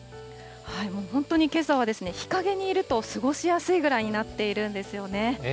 もう本当にけさは日陰にいると過ごしやすいぐらいになっているんですよね。